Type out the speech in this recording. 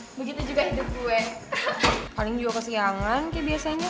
hai begitu juga hidup gue paling juga kesiangan kayak biasanya